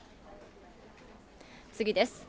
次です。